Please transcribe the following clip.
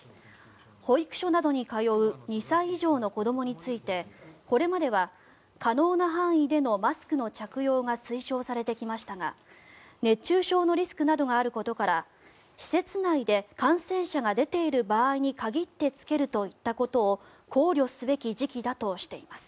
保育所などに通う２歳以上の子どもについてこれまでは可能な範囲でのマスクの着用が推奨されてきましたが熱中症のリスクなどがあることから施設内で感染者が出ている場合に限って着けるといったことを考慮すべき時期だとしています。